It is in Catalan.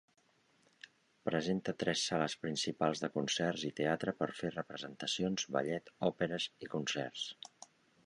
Presenta tres sales principals de concerts i teatre per fer representacions, ballet, òperes i concerts.